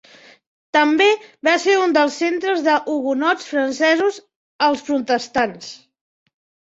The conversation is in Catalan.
També va ser un dels centres dels hugonots francesos, els protestants.